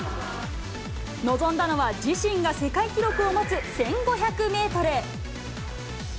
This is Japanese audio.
臨んだのは、自身が世界記録を持つ１５００メートル。